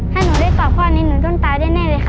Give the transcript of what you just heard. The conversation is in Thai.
ถ้าหนูได้ตอบความนี้หนูต้นตายได้แน่เลยค่ะ